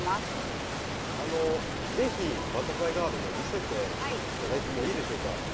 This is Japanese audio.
あの是非バタフライガーデンを見せて頂いてもいいでしょうか？